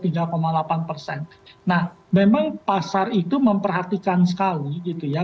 nah memang pasar itu memperhatikan sekali gitu ya